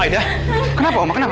aida kenapa oma kenapa